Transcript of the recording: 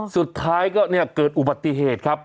สุดท้ายก็เนี่ยเกิดอุบัติเหตุครับ